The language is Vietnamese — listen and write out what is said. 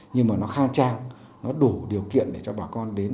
nhưng mà nó khang trang nó đủ điều kiện để cho bà con đến